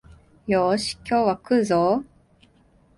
よーし、今日は食うぞお